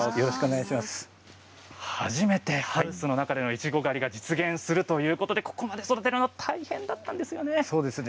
初めてハウスの中でのいちご狩りが実現するということで、ここまで育てるの大変だったんですよね。